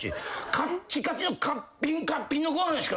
カッチカチのカッピンカッピンのご飯しかないねん。